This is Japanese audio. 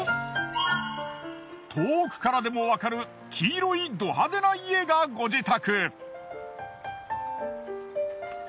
遠くからでもわかる黄色いド派手な家がご自宅。